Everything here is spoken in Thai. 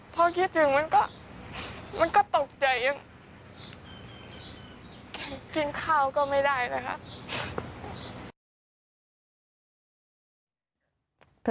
พอคิดถึงมันก็มันก็ตกใจยังกินข้าวก็ไม่ได้นะครับ